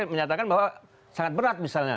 menyatakan bahwa sangat berat misalnya